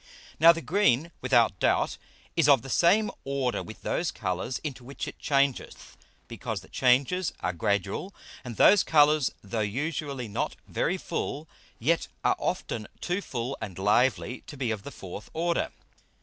Now the green, without doubt, is of the same Order with those Colours into which it changeth, because the Changes are gradual, and those Colours, though usually not very full, yet are often too full and lively to be of the fourth Order.